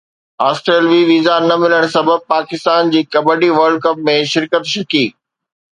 آسٽريلوي ويزا نه ملڻ سبب پاڪستان جي ڪبڊي ورلڊ ڪپ ۾ شرڪت شڪي